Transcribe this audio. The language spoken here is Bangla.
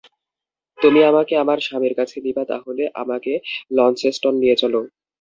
তুমি আমাকে আমার স্বামীর কাছে নিবা, তাহলে আমাকে লন্সেস্টন নিয়ে চলো।